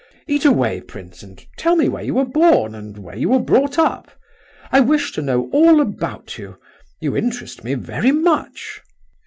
Eat away, prince, and tell me where you were born, and where you were brought up. I wish to know all about you, you interest me very much!"